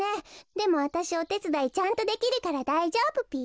でもわたしおてつだいちゃんとできるからだいじょうぶぴよ。